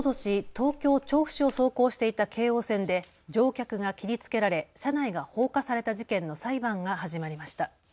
東京調布市を走行していた京王線で乗客が切りつけられ車内が放火された事件の裁判が始まりました。